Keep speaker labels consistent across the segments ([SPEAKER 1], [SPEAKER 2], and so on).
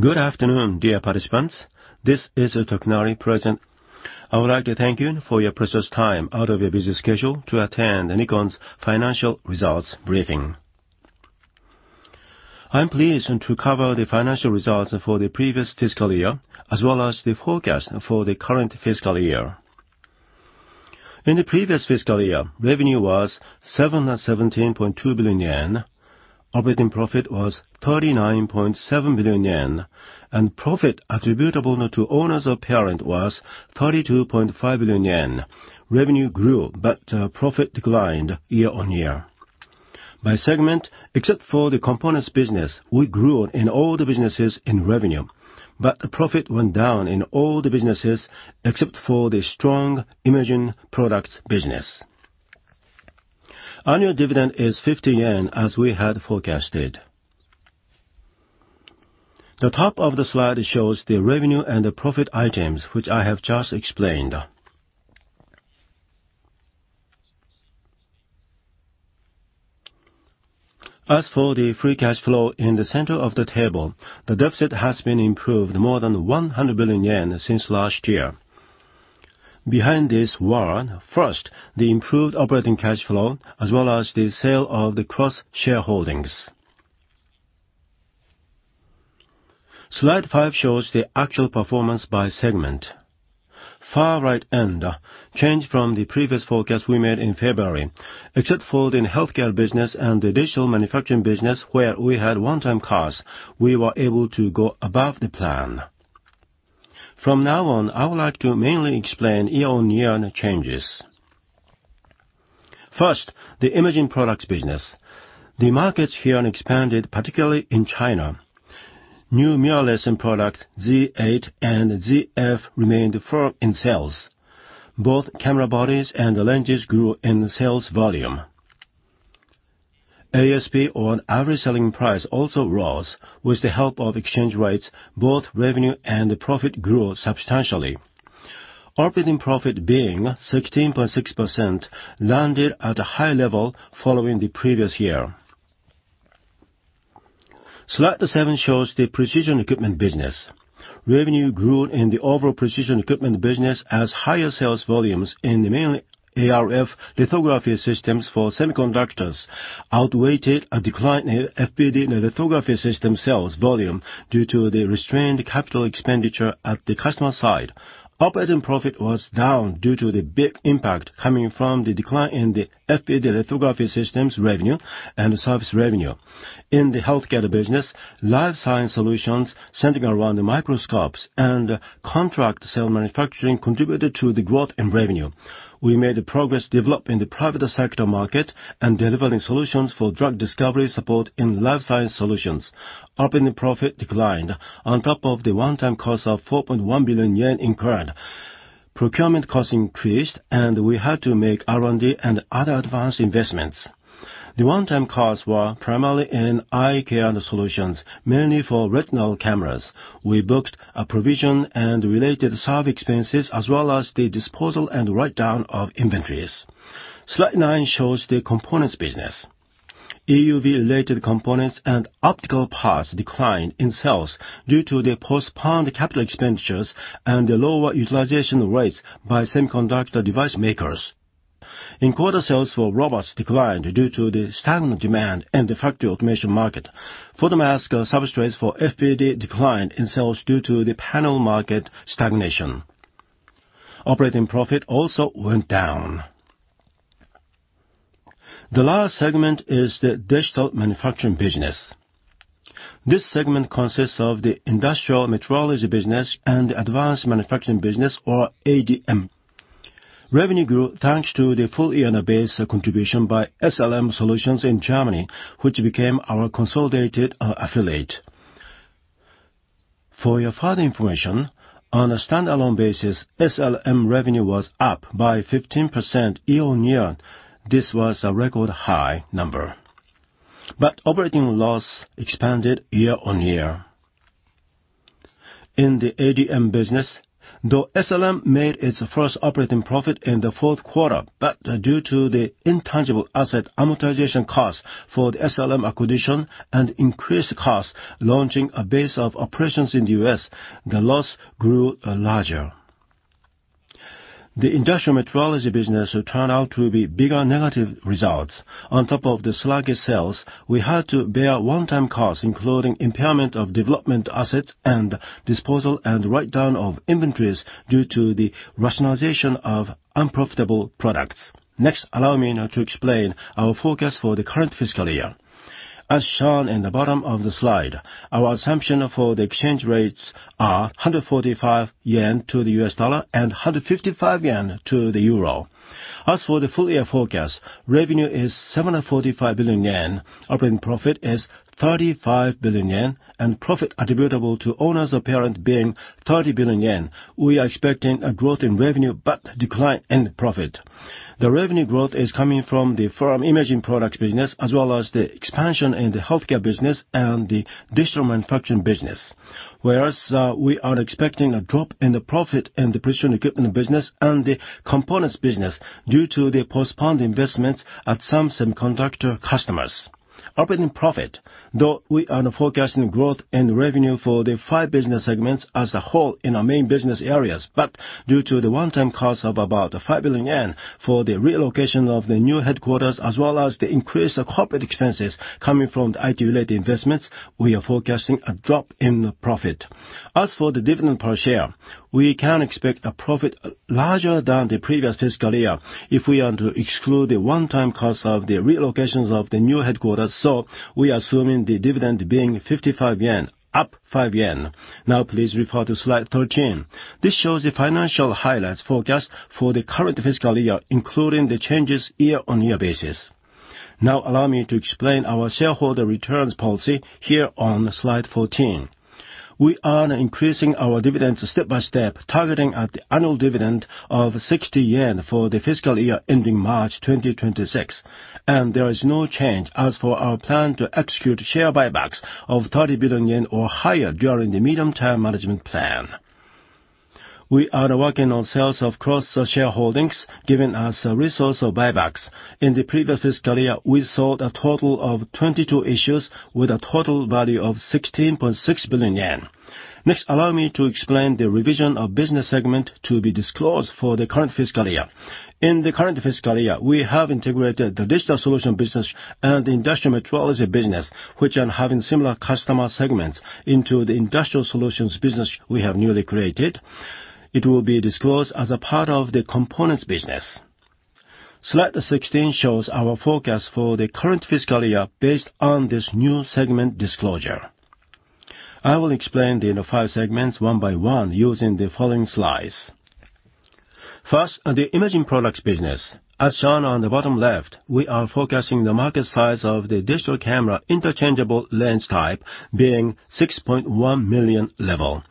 [SPEAKER 1] Good afternoon, dear participants. This is Tokunari, President. I would like to thank you for your precious time out of your busy schedule to attend Nikon's financial results briefing. I'm pleased to cover the financial results for the previous fiscal year as well as the forecast for the current fiscal year. In the previous fiscal year, revenue was 717.2 billion yen, operating profit was 39.7 billion yen, and profit attributable to owners of parent was 32.5 billion yen. Revenue grew, but profit declined year-on-year. By segment, except for the components business, we grew in all the businesses in revenue, but profit went down in all the businesses except for the strong imaging products business. Annual dividend is 50 yen as we had forecasted. The top of the slide shows the revenue and the profit items which I have just explained. As for the free cash flow in the center of the table, the deficit has been improved more than 100 billion yen since last year. Behind this were, first, the improved operating cash flow as well as the sale of the cross-shareholdings. Slide 5 shows the actual performance by segment. Far right end, change from the previous forecast we made in February, except for the healthcare business and the digital manufacturing business where we had one-time costs, we were able to go above the plan. From now on, I would like to mainly explain year-on-year changes. First, the imaging products business. The markets here expanded, particularly in China. New mirrorless and products Z8 and Z f remained firm in sales. Both camera bodies and lenses grew in sales volume. ASP or average selling price also rose with the help of exchange rates. Both revenue and profit grew substantially. Operating profit, being 16.6%, landed at a high level following the previous year. Slide 7 shows the precision equipment business. Revenue grew in the overall precision equipment business as higher sales volumes in the mainly ArF lithography systems for semiconductors outweighed a decline in FPD lithography system sales volume due to the restrained capital expenditure at the customer side. Operating profit was down due to the big impact coming from the decline in the FPD lithography systems revenue and service revenue. In the healthcare business, life science solutions centered around the microscopes and contract manufacturing contributed to the growth in revenue. We made progress developing the private sector market and delivering solutions for drug discovery support in life science solutions. Operating profit declined on top of the one-time cost of 4.1 billion yen in current. Procurement costs increased, and we had to make R&D and other advanced investments. The one-time costs were primarily in eye care solutions, mainly for retinal cameras. We booked a provision and related service expenses as well as the disposal and write-down of inventories. Slide nine shows the components business. EUV-related components and optical parts declined in sales due to the postponed capital expenditures and the lower utilization rates by semiconductor device makers. Inquiry sales for robots declined due to the stagnant demand in the factory automation market. Photomask substrates for FPD declined in sales due to the panel market stagnation. Operating profit also went down. The last segment is the digital manufacturing business. This segment consists of the industrial metrology business and the advanced manufacturing business or ADM. Revenue grew thanks to the full-year basis contribution by SLM Solutions in Germany, which became our consolidated affiliate. For your further information, on a standalone basis, SLM revenue was up by 15% year-on-year. This was a record high number. But operating loss expanded year-on-year. In the ADM business, though SLM made its first operating profit in the fourth quarter, but due to the intangible asset amortization costs for the SLM acquisition and increased costs launching a base of operations in the U.S., the loss grew larger. The industrial metrology business turned out to be bigger negative results. On top of the sluggish sales, we had to bear one-time costs including impairment of development assets and disposal and write-down of inventories due to the rationalization of unprofitable products. Next, allow me to explain our forecast for the current fiscal year. As shown in the bottom of the slide, our assumption for the exchange rates are 145 yen to the US dollar and 155 yen to the euro. As for the full year forecast, revenue is 745 billion yen, operating profit is 35 billion yen, and profit attributable to owners of parent being 30 billion yen. We are expecting a growth in revenue but decline in profit. The revenue growth is coming from the firm imaging products business as well as the expansion in the healthcare business and the digital manufacturing business. Whereas we are expecting a drop in the profit in the precision equipment business and the components business due to the postponed investments at some semiconductor customers. Operating profit, though we are not forecasting growth in revenue for the five business segments as a whole in our main business areas, but due to the one-time cost of about 5 billion yen for the relocation of the new headquarters as well as the increased corporate expenses coming from the IT-related investments, we are forecasting a drop in profit. As for the dividend per share, we can expect a profit larger than the previous fiscal year if we are to exclude the one-time costs of the relocations of the new headquarters. So we are assuming the dividend being 55 yen, up 5 yen. Now, please refer to slide 13. This shows the financial highlights forecast for the current fiscal year including the changes year-on-year basis. Now, allow me to explain our shareholder returns policy here on slide 14. We are increasing our dividends step by step targeting at the annual dividend of 60 yen for the fiscal year ending March 2026. There is no change as for our plan to execute share buybacks of 30 billion yen or higher during the medium-term management plan. We are working on sales of cross-shareholdings given as a resource of buybacks. In the previous fiscal year, we sold a total of 22 issues with a total value of 16.6 billion yen. Next, allow me to explain the revision of business segment to be disclosed for the current fiscal year. In the current fiscal year, we have integrated the digital solutions business and the industrial metrology business, which are having similar customer segments, into the industrial solutions business we have newly created. It will be disclosed as a part of the components business. Slide 16 shows our forecast for the current fiscal year based on this new segment disclosure. I will explain the five segments one by one using the following slides. First, the imaging products business. As shown on the bottom left, we are focusing the market size of the digital camera interchangeable lens type being 6.1 million level.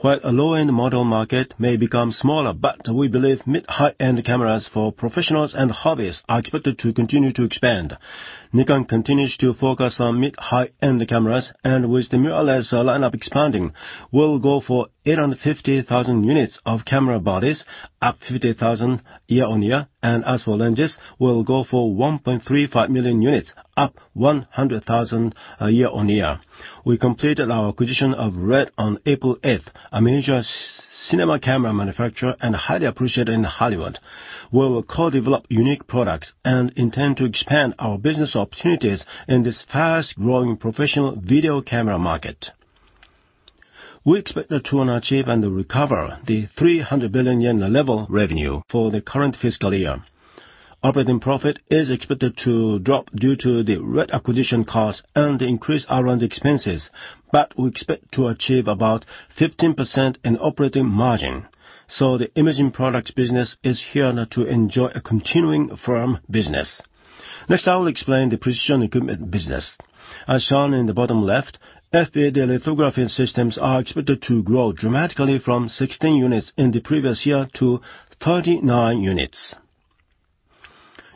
[SPEAKER 1] While a low-end model market may become smaller, but we believe mid-high-end cameras for professionals and hobbyists are expected to continue to expand. Nikon continues to focus on mid-high-end cameras, and with the mirrorless lineup expanding, we'll go for 850,000 units of camera bodies, up 50,000 year-on-year, and as for lenses, we'll go for 1.35 million units, up 100,000 year-on-year. We completed our acquisition of RED on April 8th, a major cinema camera manufacturer and highly appreciated in Hollywood. We will co-develop unique products and intend to expand our business opportunities in this fast-growing professional video camera market. We expect the two to achieve and recover the 300 billion yen level revenue for the current fiscal year. Operating profit is expected to drop due to the RED acquisition costs and the increased R&D expenses, but we expect to achieve about 15% in operating margin. So the imaging products business is here to enjoy a continuing firm business. Next, I will explain the precision equipment business. As shown in the bottom left, FPD lithography systems are expected to grow dramatically from 16 units in the previous year to 39 units.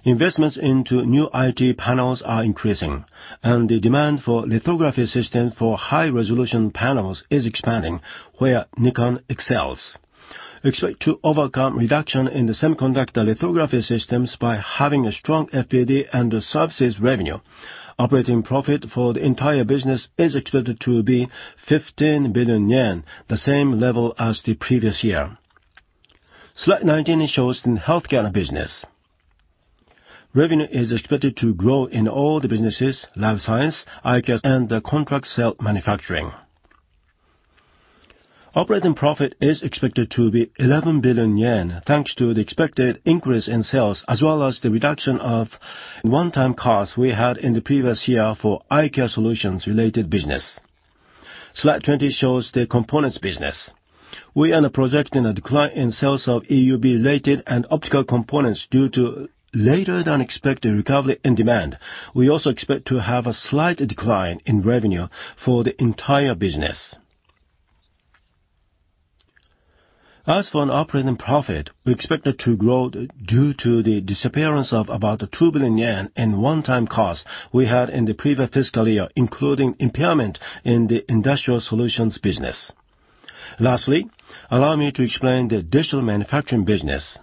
[SPEAKER 1] Investments into new IT panels are increasing, and the demand for lithography systems for high-resolution panels is expanding where Nikon excels. Expect to overcome reduction in the semiconductor lithography systems by having a strong FPD and services revenue. Operating profit for the entire business is expected to be 15 billion yen, the same level as the previous year. Slide 19 shows the healthcare business. Revenue is expected to grow in all the businesses: life science, eye care, and contract cell manufacturing. Operating profit is expected to be 11 billion yen thanks to the expected increase in sales as well as the reduction of one-time costs we had in the previous year for eye care solutions-related business. Slide 20 shows the components business. We are projecting a decline in sales of EUV-related and optical components due to later-than-expected recovery in demand. We also expect to have a slight decline in revenue for the entire business. As for operating profit, we expect it to grow due to the disappearance of about 2 billion yen in one-time costs we had in the previous fiscal year including impairment in the industrial solutions business. Lastly, allow me to explain the digital manufacturing business.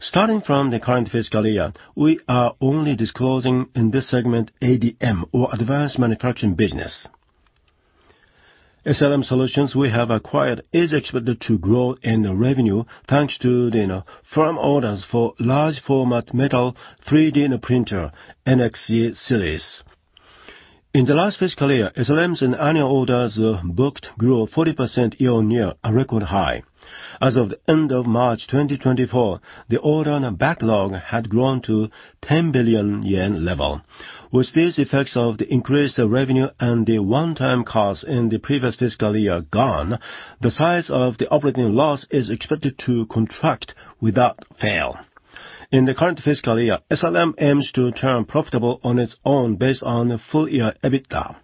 [SPEAKER 1] Starting from the current fiscal year, we are only disclosing in this segment ADM or advanced manufacturing business. SLM Solutions we have acquired is expected to grow in revenue thanks to firm orders for large-format metal 3D printer NXG series. In the last fiscal year, SLM's annual orders booked grew 40% year-on-year, a record high. As of the end of March 2024, the order backlog had grown to 10 billion yen level. With these effects of the increased revenue and the one-time costs in the previous fiscal year gone, the size of the operating loss is expected to contract without fail. In the current fiscal year, SLM aims to turn profitable on its own based on the full year EBITDA.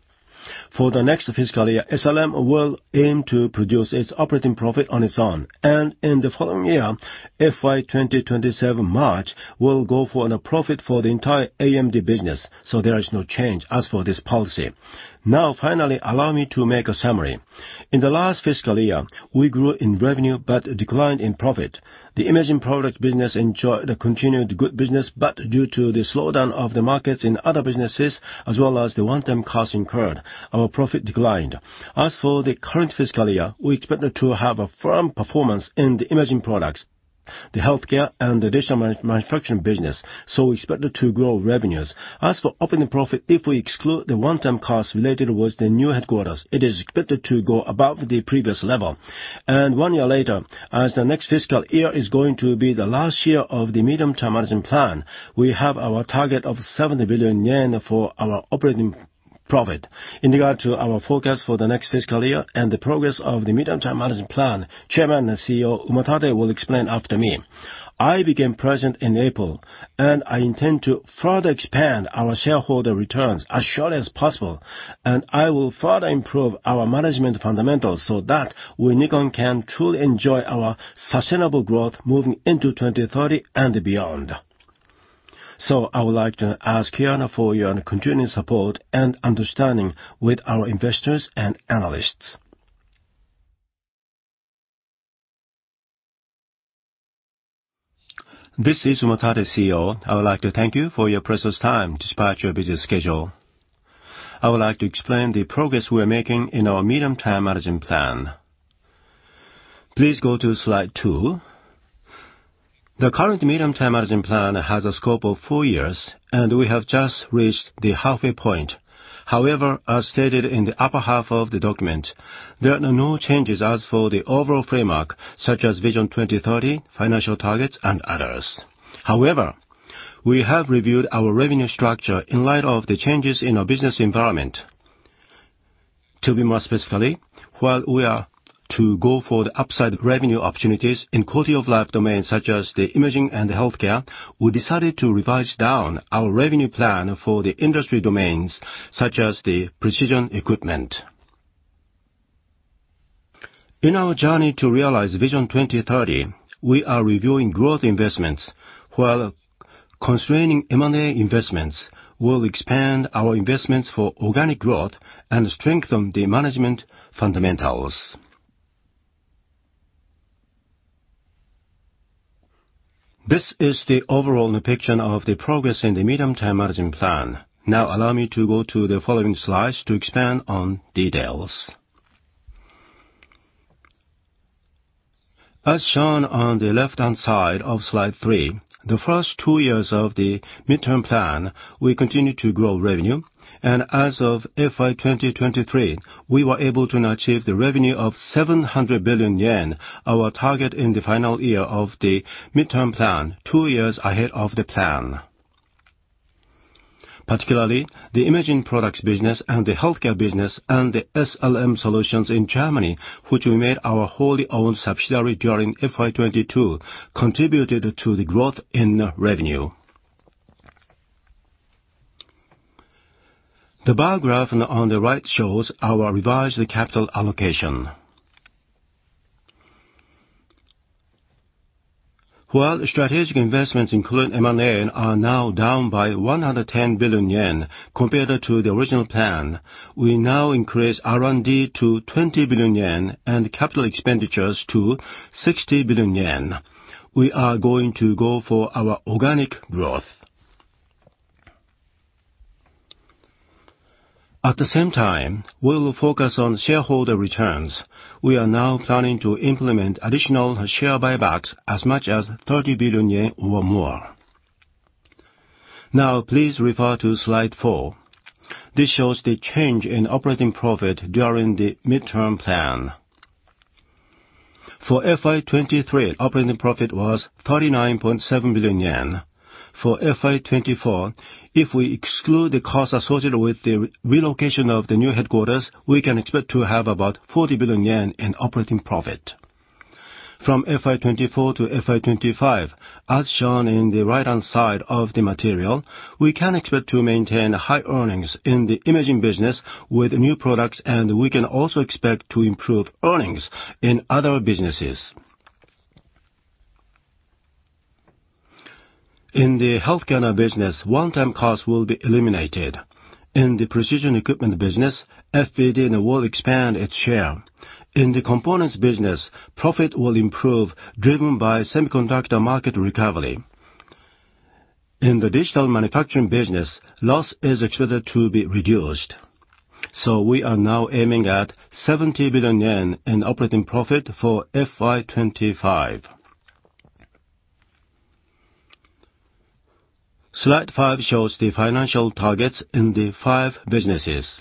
[SPEAKER 1] For the next fiscal year, SLM will aim to produce its operating profit on its own. In the following year, FY 2027, March will go for a profit for the entire ADM business. There is no change as for this policy. Now, finally, allow me to make a summary. In the last fiscal year, we grew in revenue but declined in profit. The imaging products business enjoyed a continued good business, but due to the slowdown of the markets in other businesses as well as the one-time costs incurred, our profit declined. As for the current fiscal year, we expect to have a firm performance in the imaging products, the healthcare, and the digital manufacturing business. We expect to grow revenues. As for operating profit, if we exclude the one-time costs related with the new headquarters, it is expected to go above the previous level. One year later, as the next fiscal year is going to be the last year of the medium-term management plan, we have our target of 70 billion yen for our operating profit. In regard to our forecast for the next fiscal year and the progress of the medium-term management plan, Chairman and CEO Umatate will explain after me. I became president in April, and I intend to further expand our shareholder returns as soon as possible. I will further improve our management fundamentals so that we at Nikon can truly enjoy our sustainable growth moving into 2030 and beyond. I would like to ask for your continued support and understanding from our investors and analysts. This is Umatate, CEO. I would like to thank you for your precious time despite your busy schedule. I would like to explain the progress we are making in our medium-term management plan. Please go to slide 2. The current medium-term management plan has a scope of four years, and we have just reached the halfway point. However, as stated in the upper half of the document, there are no changes as for the overall framework such as Vision 2030, financial targets, and others. However, we have reviewed our revenue structure in light of the changes in our business environment. To be more specifically, while we are to go for the upside revenue opportunities in quality of life domains such as the imaging and the healthcare, we decided to revise down our revenue plan for the industry domains such as the precision equipment. In our journey to realize Vision 2030, we are reviewing growth investments. While constraining M&A investments, we'll expand our investments for organic growth and strengthen the management fundamentals. This is the overall picture of the progress in the medium-term management plan. Now, allow me to go to the following slides to expand on details. As shown on the left-hand side of slide 3, the first two years of the midterm plan, we continue to grow revenue. As of FY 2023, we were able to achieve the revenue of 700 billion yen, our target in the final year of the midterm plan, two years ahead of the plan. Particularly, the imaging products business and the healthcare business and the SLM Solutions in Germany, which we made our wholly owned subsidiary during FY 2022, contributed to the growth in revenue. The bar graph on the right shows our revised capital allocation. While strategic investments including M&A are now down by 110 billion yen compared to the original plan, we now increase R&D to 20 billion yen and capital expenditures to 60 billion yen. We are going to go for our organic growth. At the same time, we will focus on shareholder returns. We are now planning to implement additional share buybacks as much as 30 billion yen or more. Now, please refer to slide 4. This shows the change in operating profit during the midterm plan. For FY 2023, operating profit was 39.7 billion yen. For FY 2024, if we exclude the costs associated with the relocation of the new headquarters, we can expect to have about 40 billion yen in operating profit. From FY 2024 to FY 2025, as shown in the right-hand side of the material, we can expect to maintain high earnings in the imaging business with new products, and we can also expect to improve earnings in other businesses. In the healthcare business, one-time costs will be eliminated. In the precision equipment business, FPD will expand its share. In the components business, profit will improve driven by semiconductor market recovery. In the digital manufacturing business, loss is expected to be reduced. So we are now aiming at 70 billion yen in operating profit for FY 2025. Slide 5 shows the financial targets in the five businesses.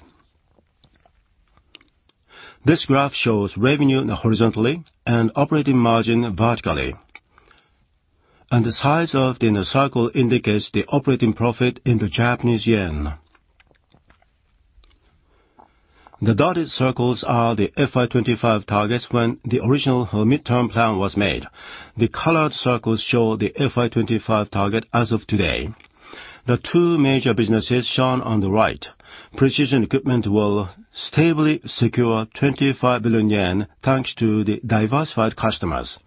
[SPEAKER 1] This graph shows revenue horizontally and operating margin vertically. The size of the circle indicates the operating profit in the Japanese yen. The dotted circles are the FY 2025 targets when the original midterm plan was made. The colored circles show the FY 2025 target as of today. The two major businesses shown on the right, precision equipment, will stably secure 25 billion yen thanks to the diversified customers.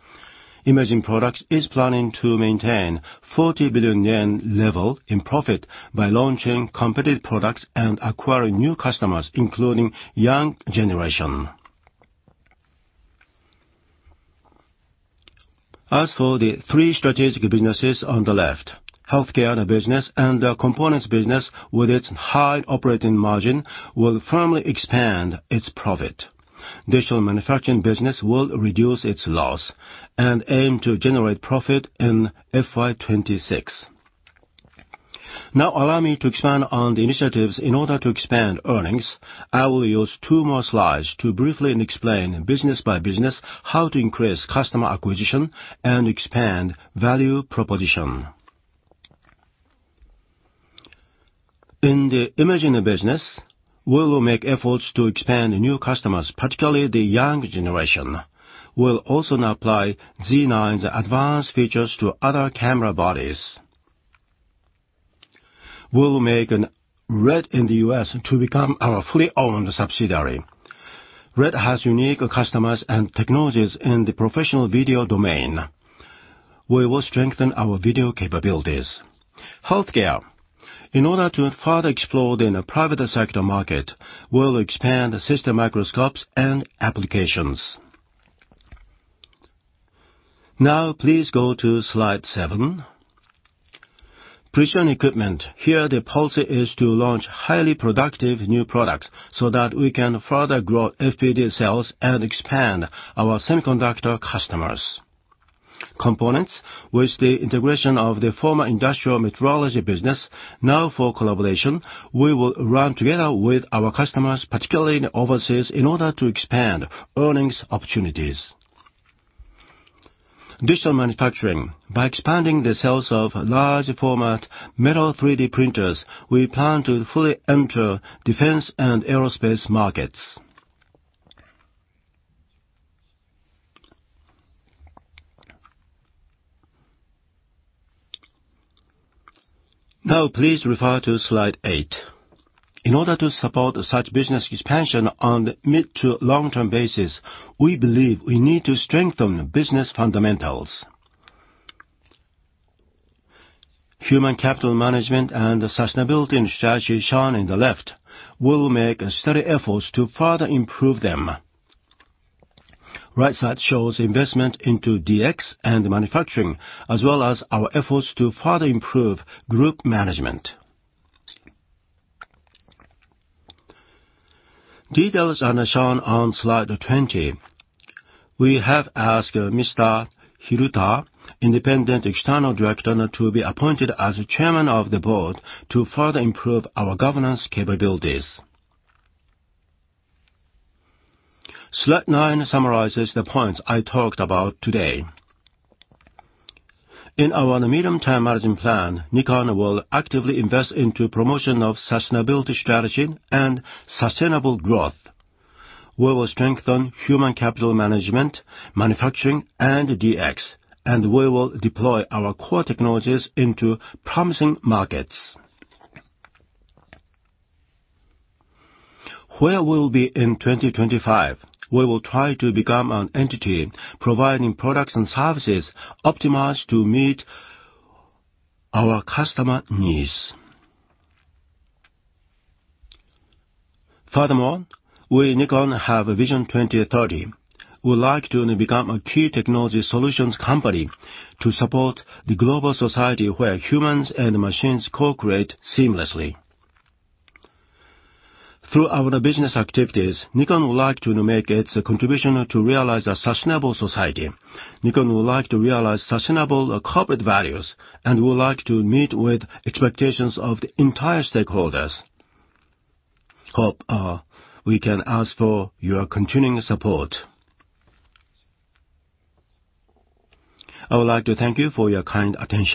[SPEAKER 1] Imaging products is planning to maintain 40 billion yen level in profit by launching competitive products and acquiring new customers, including young generation. As for the three strategic businesses on the left, healthcare business and the components business with its high operating margin will firmly expand its profit. Digital manufacturing business will reduce its loss and aim to generate profit in FY 2026. Now, allow me to expand on the initiatives. In order to expand earnings, I will use two more slides to briefly explain business by business how to increase customer acquisition and expand value proposition. In the imaging business, we will make efforts to expand new customers, particularly the young generation. We'll also now apply Z9's advanced features to other camera bodies. We'll make RED in the US to become our fully owned subsidiary. RED has unique customers and technologies in the professional video domain. We will strengthen our video capabilities. Healthcare, in order to further explore the private sector market, we'll expand system microscopes and applications. Now, please go to slide seven. Precision equipment, here the policy is to launch highly productive new products so that we can further grow FPD sales and expand our semiconductor customers. Components, with the integration of the former industrial metrology business, now for collaboration, we will run together with our customers, particularly in overseas, in order to expand earnings opportunities. Digital manufacturing, by expanding the sales of large-format metal 3D printers, we plan to fully enter defense and aerospace markets. Now, please refer to slide eight. In order to support such business expansion on the mid- to long-term basis, we believe we need to strengthen business fundamentals. Human capital management and sustainability in the strategy shown on the left will make steady efforts to further improve them. Right side shows investment into DX and manufacturing as well as our efforts to further improve group management. Details are shown on slide 20. We have asked Mr. Hiruta, independent external director, to be appointed as chairman of the board to further improve our governance capabilities. Slide 9 summarizes the points I talked about today. In our medium-term management plan, Nikon will actively invest into promotion of sustainability strategy and sustainable growth. We will strengthen human capital management, manufacturing, and DX, and we will deploy our core technologies into promising markets. Where we will be in 2025, we will try to become an entity providing products and services optimized to meet our customer needs. Furthermore, we at Nikon have a Vision 2030. We would like to become a key technology solutions company to support the global society where humans and machines cooperate seamlessly. Through our business activities, Nikon would like to make its contribution to realize a sustainable society. Nikon would like to realize sustainable corporate values and would like to meet with expectations of the entire stakeholders. Hope we can ask for your continuing support. I would like to thank you for your kind attention.